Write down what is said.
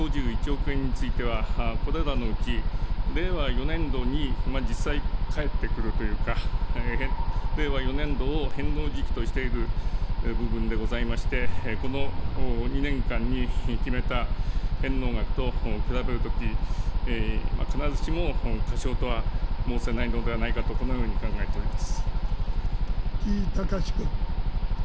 委員ご指摘の２５１億円については、これらのうち、令和４年度に実際返ってくるというか、令和４年度を返納時期としている部分でございまして、この２年間に決めた返納額と比べるとき、必ずしも過少とは申せないのではないかと、このように考えており城井崇君。